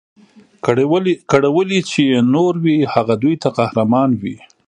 کړولي چي یې نور وي هغه دوی ته قهرمان وي